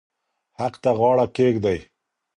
حق ته غاړه کېږدئ.